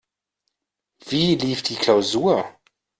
Wie lief die Klausur?